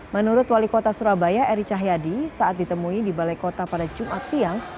menurut wali kota surabaya eri cahyadi saat ditemui di balai kota pada jumat siang